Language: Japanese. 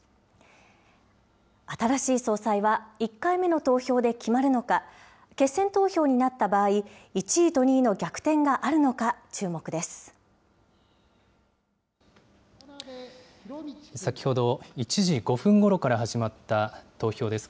新しい総裁は、１回目の投票で決まるのか、決選投票になった場合、１位と２位の逆転があるのか、注目です。